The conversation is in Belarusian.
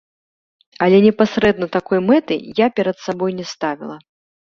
Але непасрэдна такой мэты я перад сабой не ставіла.